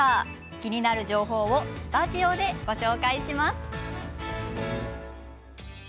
気になる情報をスタジオでご紹介します。